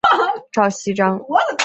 赵锡章。